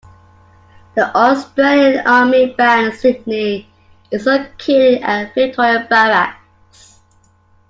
The Australian Army Band Sydney is located at Victoria Barracks.